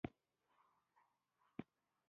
په فارسي ژبه خبرې او لیکل وو.